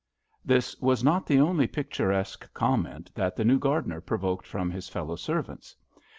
This was not the only picturesque com ment that the new gardener provoked from his fellow servants.